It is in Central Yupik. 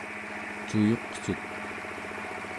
cuyuqsuk